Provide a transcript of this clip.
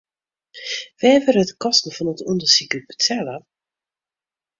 Wêr wurde de kosten fan it ûndersyk út betelle?